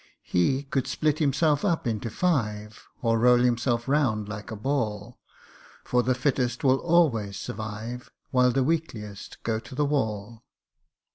He could split himself up into five, Or roll himself round like a ball; For the fittest will always survive, While the weakliest go to the wall.